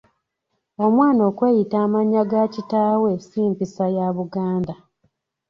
Omwana okweyita amannya ga kitaawe si mpisa ya Buganda.